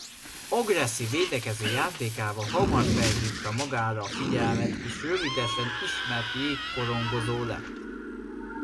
Agresszív védekező játékával hamar felhívta magára a figyelmet és rövidesen ismert jégkorongozó lett.